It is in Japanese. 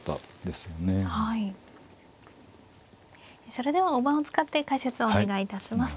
それでは大盤を使って解説をお願いいたします。